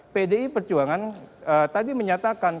pdi perjuangan tadi mengatakan